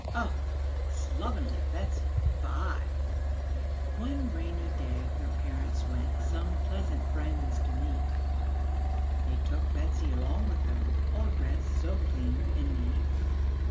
Oh! Slovenly Betsy, fie!" One rainy day her parents went Some pleasant friends to meet. They took Betsy along with them, All dressed so clean and neat.